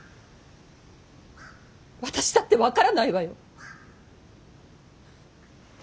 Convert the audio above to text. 私だって分からないわよ。